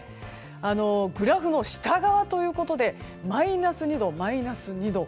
グラフの下側ということでマイナス２度、マイナス２度。